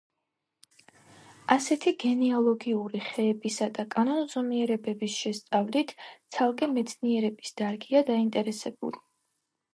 ასეთი გენეალოგიური ხეებისა და კანონზომიერებების შესწავლით ცალკე მეცნიერების დარგია დაინტერესებული.